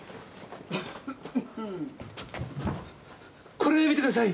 これを見てください。